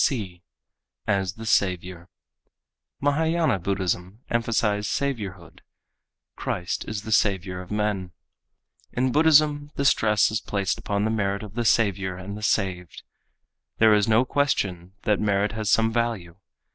(c) As the Saviour.—Mahayâna Buddhism emphasized saviourhood. Christ is the saviour of men. In Buddhism the stress is placed upon the merit of the saviour and the saved. There is no question that merit has some value.